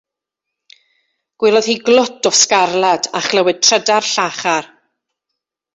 Gwelodd hi glwt o sgarlad a chlywed trydar llachar.